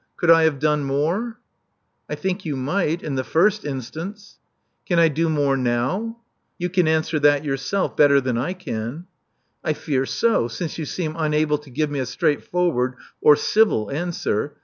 Could I have done more?" '*! think you might, in the first instance." *'Can I do more now?'* *'You can answer that yourself better than I can." I fear so, since you seem unable to give me a straightforward or civil answer.